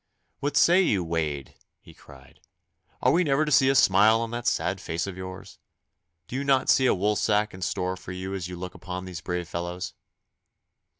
'What say you, Wade!' he cried. 'Are we never to see a smile on that sad face of yours? Do you not see a woolsack in store for you as you look upon these brave fellows?